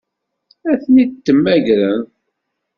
Ad ten-id-temmagreḍ?